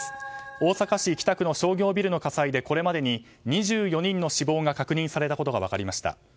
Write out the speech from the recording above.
大阪市北区の商業ビルの火災でこれまでに２４人の死亡が確認されたことが分かりました。